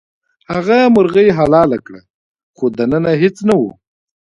هغه مرغۍ حلاله کړه خو دننه هیڅ نه وو.